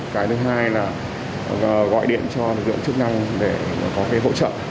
cái thứ hai là gọi điện cho lực lượng chức năng để có cái hỗ trợ